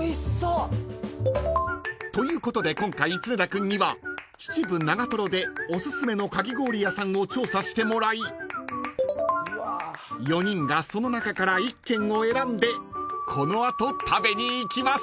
［ということで今回常田君には秩父長瀞でおすすめのかき氷屋さんを調査してもらい４人がその中から１軒を選んでこの後食べに行きます］